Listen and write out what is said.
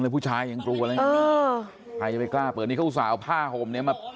ผู้ชายยังกลัวเลยนะเออใครจะไปกล้าเปิดนี่เขาอุตส่าห์เอาผ้าห่มเนี้ยมา